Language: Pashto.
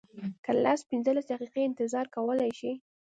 که لس پنځلس دقیقې انتظار کولی شې.